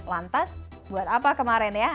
lantas buat apa kemarin ya